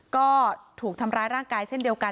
ก็ถูกทำร้ายร่างกายเช่นเดียวกัน